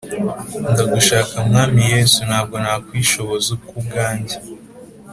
Ndagushaka mwami yesu ntabwo nakwishoboza ku bwanjye